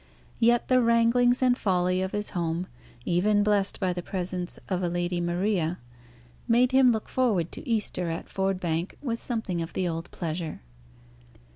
Yet the wranglings and folly of his home, even blessed by the presence of a Lady Maria, made him look forward to Easter at Ford Bank with something of the old pleasure.